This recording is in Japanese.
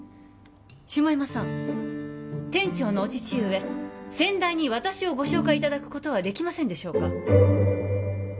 下山さん店長のお父上先代に私をご紹介いただくことはできませんでしょうか